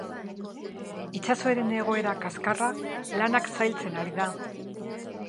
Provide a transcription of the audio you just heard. Itsasoaren egoera kaskarra lanak zailtzen ari da.